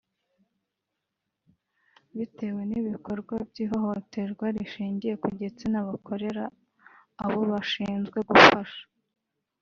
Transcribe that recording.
bitewe n’ibikorwa by’ ihohoterwa rishingiye ku gitsina bakorera abo bashinzwe gufasha